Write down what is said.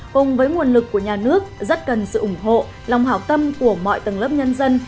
cùng với nguồn lực của nhà nước rất cần sự ủng hộ lòng hảo tâm của mọi tầng lớp nhân dân